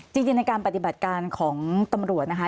จริงในการปฏิบัติการของตำรวจนะคะ